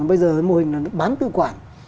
bây giờ mô hình là bán tự quản